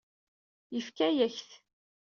Yefka-yak-t.